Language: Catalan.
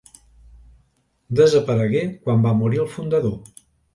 Desaparegué quan va morir el fundador.